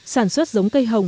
sản xuất giống cây hồng